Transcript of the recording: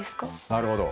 なるほど。